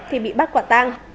thì bị bắt quả tăng